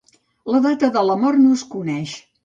La data de la mort no es coneix.